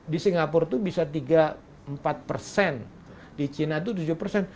di singapura itu bisa tiga empat persen di china itu tujuh persen